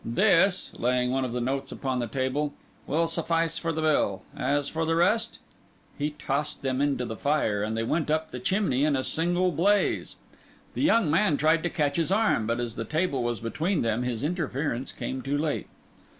"This," laying one of the notes upon the table, "will suffice for the bill. As for the rest—" He tossed them into the fire, and they went up the chimney in a single blaze. The young man tried to catch his arm, but as the table was between them his interference came too late.